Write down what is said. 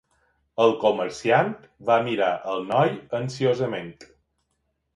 El comerciant va mirar el noi ansiosament.